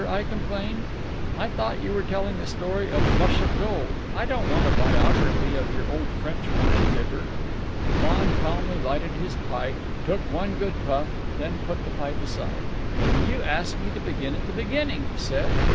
I complained. "I thought you were telling the story of Flush of Gold. I don't want a biography of your old French wine bibber." Lon calmly lighted his pipe, took one good puff, then put the pipe aside. "And you asked me to begin at the beginning," he said.